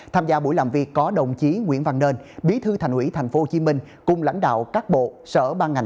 tham gia buổi làm việc có đồng chí nguyễn văn nơn bí thư thành ủy thành phố hồ chí minh cùng lãnh đạo các bộ sở ban ngành